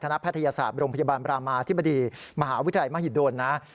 คณะแพทยศาสตร์โรงพยาบาลประมาณอธิบดีมหาวิทยาลัยมหิตโดรณ์นะครับ